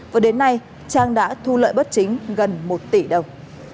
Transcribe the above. và đến nay trang đã thu lợi bất chính gần một tỷ đồng